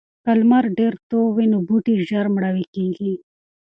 که لمر ډیر تود وي نو بوټي ژر مړاوي کیږي.